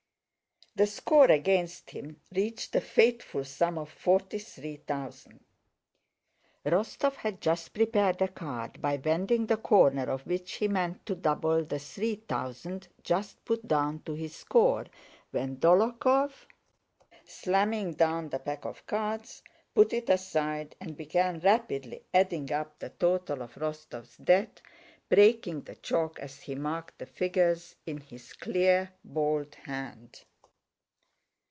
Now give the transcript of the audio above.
The score against him reached the fateful sum of forty three thousand. Rostóv had just prepared a card, by bending the corner of which he meant to double the three thousand just put down to his score, when Dólokhov, slamming down the pack of cards, put it aside and began rapidly adding up the total of Rostóv's debt, breaking the chalk as he marked the figures in his clear, bold hand.